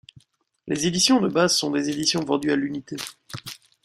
Les éditions de base sont des éditions vendues à l'unité.